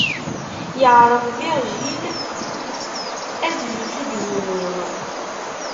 Yeɛreḍ Virgile ad yi-t-id-yini.